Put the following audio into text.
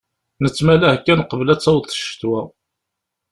Nettmalah kan qbel ad d-taweḍ ccetwa.